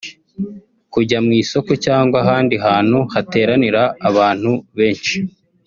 kujya mu isoko cyangwa ahandi hantu hateranira abantu benshi